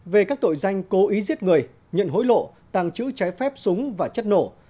về các tội danh cố ý giết người nhận hối lộ tàng trữ trái phép súng và chất nổ